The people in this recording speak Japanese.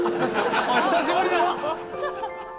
久しぶりだ。